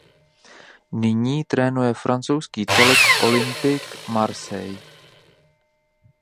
Nyní trénuje francouzský celek Olympique Marseille.